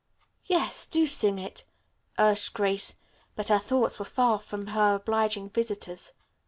"Yes, do sing it," urged Grace, but her thoughts were far from her obliging visitors.